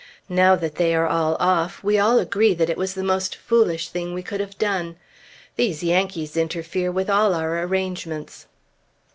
Now that they are all off, we all agree that it was the most foolish thing we could have done. These Yankees interfere with all our arrangements.